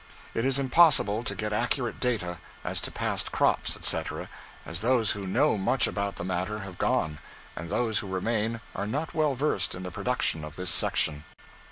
It is impossible to get accurate data as to past crops, etc., as those who know much about the matter have gone, and those who remain are not well versed in the production of this section.